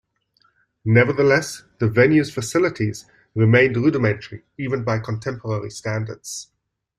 Nevertheless, the venue's facilities remained rudimentary even by contemporary standards.